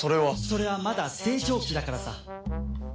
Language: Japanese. それはまだ成長期だからさ。